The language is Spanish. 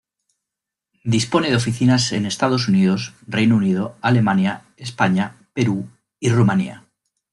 Dispone de oficinas en Estados Unidos, Reino Unido, Alemania, España, Perú y Rumanía.